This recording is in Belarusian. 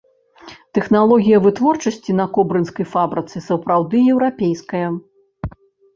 Тэхналогія вытворчасці на кобрынскай фабрыцы сапраўды еўрапейская.